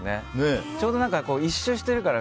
ちょうど１周してるから。